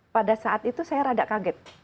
pada saat itu saya rada kaget